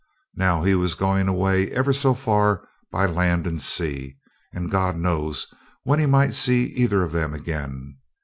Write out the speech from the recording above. Now he was going away ever so far by land and sea, and God knows when he might see either of 'em again.